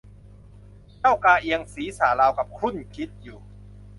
เจ้ากาเอียงศีรษะราวกับครุ่นคิดอยู่